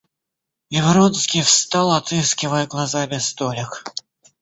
И Вронский встал, отыскивая глазами столик.